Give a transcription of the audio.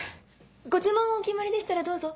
ご注文お決まりでしたらどうぞ。